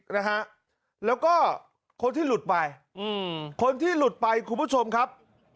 นะฮะแล้วก็คนที่หลุดไปอืมคนที่หลุดไปคุณผู้ชมครับ